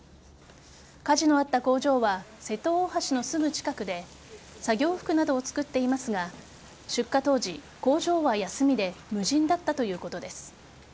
火事のあった工場は瀬戸大橋のすぐ近くで作業服などを作っていますが出火当時、工場は休みで無人だったということです。